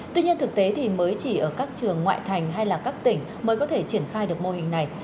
tuy nhiên thực tế thì mới chỉ ở các trường ngoại thành hay là các tỉnh mới có thể triển khai được mô hình này